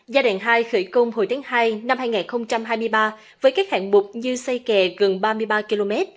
giai đoạn hai khởi công hồi tháng hai năm hai nghìn hai mươi ba với các hạng mục như xây kè gần ba mươi ba km